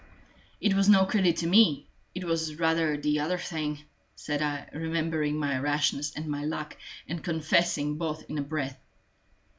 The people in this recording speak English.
"It was no credit to me it was rather the other thing," said I, remembering my rashness and my luck, and confessing both in a breath.